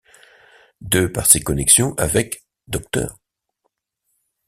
De par ses connexions avec Dr.